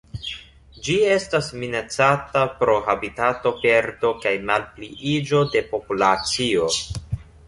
Ĝi estas minacata pro habitatoperdo kaj malpliiĝo de populacio.